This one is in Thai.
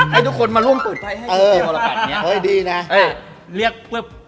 ให้ทุกคนมาล่วงตัวไปให้เจียวระบัติ